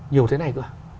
nhiều thế này cơ à